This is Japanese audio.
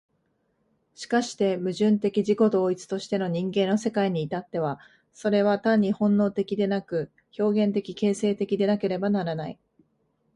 しかして矛盾的自己同一としての人間の世界に至っては、それは単に本能的でなく、表現的形成的でなければならない。